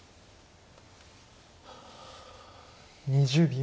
２０秒。